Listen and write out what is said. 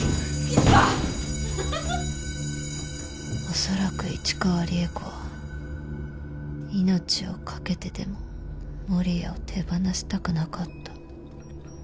おそらく市川利枝子は命を懸けてでも守谷を手放したくなかった。